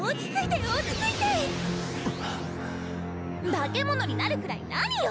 化け物になるくらい何よ。